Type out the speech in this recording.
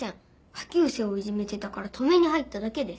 下級生をいじめてたから止めに入っただけです。